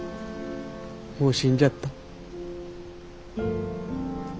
もう死んじゃった。